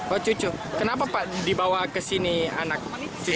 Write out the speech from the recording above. oh cucu kenapa pak dibawa ke sini anak